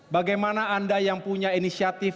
bagaimana anda yang punya inisiatif